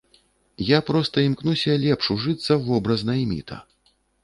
Я проста імкнуўся лепш ужыцца ў вобраз найміта.